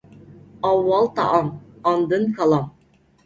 ئاۋۋال تائام، ئاندىن كالام.